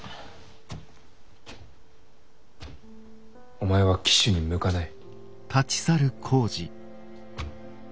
お前は騎手に向かない。